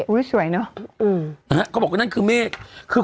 อุ๊ยสวยเนอะ